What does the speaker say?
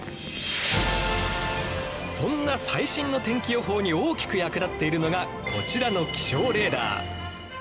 そんな最新の天気予報に大きく役立っているのがこちらの気象レーダー。